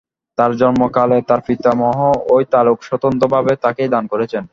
তার জন্মকালে তার পিতামহ এই তালুক স্বতন্ত্র ভাবে তাকেই দান করেছেন।